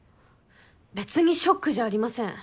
別にショックじゃありません。